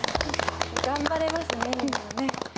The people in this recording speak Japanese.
頑張れますねみんなね。